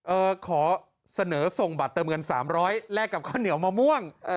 ขอเสนอส่งบัตรเติมเงิน๓๐๐แลกกับข้าวเหนียวมะม่วง